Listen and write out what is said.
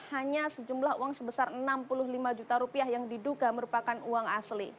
hanya sejumlah uang sebesar enam puluh lima juta rupiah yang diduga merupakan uang asli